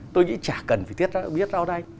tôi nghĩ chả cần phải biết rau đay